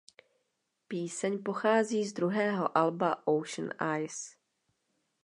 Píseň pochází z druhého alba "Ocean Eyes".